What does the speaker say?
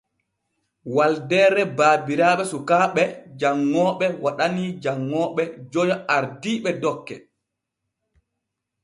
Waldeere baabiraaɓe sukaaɓe janŋooɓe waɗanii janŋooɓe joyo ardiiɓe dokke.